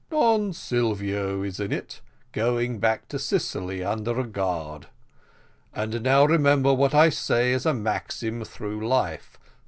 Don Silvio is in it, going back to Sicily under a guard. And now remember what I say as a maxim through life.